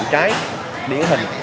bụi cháy điện hình